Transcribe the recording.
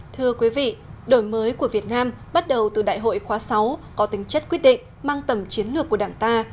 thưa quý vị đổi mới của việt nam bắt đầu từ đại hội khóa sáu có tính chất quyết định mang tầm chiến lược của đảng ta